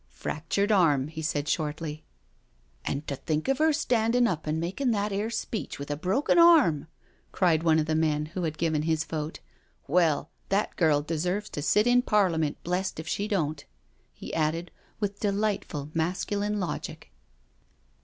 " Fractured arm," he said shortly. " And to think of her standin' up and makin' that 'ere speech with a broken arm 1 " cried one of the men who had given his vote. " Well, that girl deserves to sit in Parliament, blest if she don't," he added, with delightful masculine logic.